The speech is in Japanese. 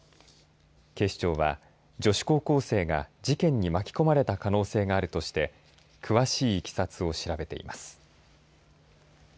警視庁は女子高校生が事件に巻き込まれた可能性があるとして詳しいいきさつを調べています。